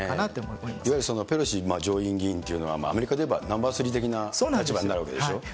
いわゆるペロシ上院議員というのは、アメリカでいえばナンバー３的な立場になるわけですよね。